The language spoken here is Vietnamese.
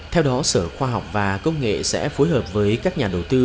theo đó sở khoa học và công nghệ sẽ phối hợp với các nhà đầu tư